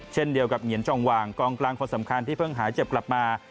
เช่นเดียวกับเหงียนจองวางกองกลางคนสำคัญที่เพิ่งหายเจ็บกลับมา